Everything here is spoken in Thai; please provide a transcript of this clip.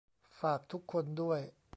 ฝากทุกคนด้วย